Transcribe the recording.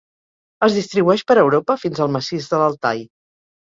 Es distribueix per Europa fins al Massís de l'Altai.